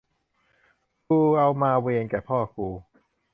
กูเอามาเวนแก่พ่อกู